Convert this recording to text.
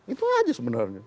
itu saja sebenarnya